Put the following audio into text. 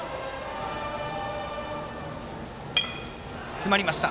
詰まりました。